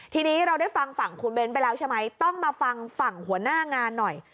ทีนี้เราได้ฟังฝั่งคุณเบ้นไปแล้วใช่ไหมต้องมาฟังฝั่งหัวหน้างานหน่อย